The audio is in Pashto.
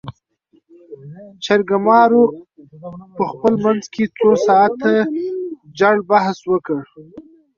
جرګمارو په خپل منځ کې څو ساعاته جړ بحث وکړ.